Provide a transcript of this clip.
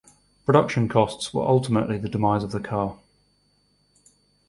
Production costs were ultimately the demise of the car.